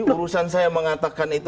urusan saya mengatakan itu